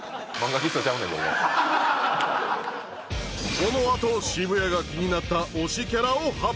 このあと渋谷が気になった推しキャラを発表！